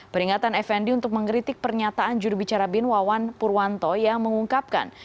peringatan fnd untuk mengkritik pernyataan jurubicara bin wawan purwanto yang mengungkapkan